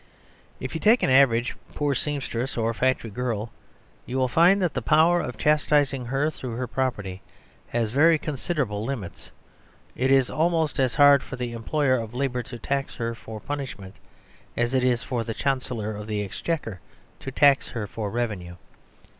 If you take an average poor seamstress or factory girl, you will find that the power of chastising her through her property has very considerable limits; it is almost as hard for the employer of labour to tax her for punishment as it is for the Chancellor of the Exchequer to tax her for revenue.